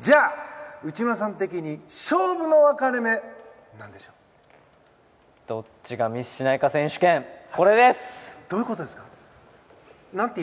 じゃあ、内村さん的に勝負の分かれ目、何でしょう？どっちがミスしないか選手権、これです。